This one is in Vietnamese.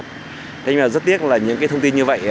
thế nhưng mà rất tiếc là những cái thông tin như vậy